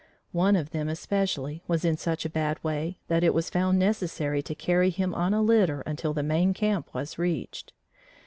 One of them especially, was in such a bad way that it was found necessary to carry him on a litter until the main camp was reached.